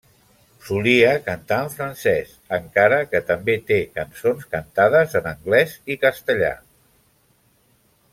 Solia cantar en francès encara que també té cançons cantades en anglès i castellà.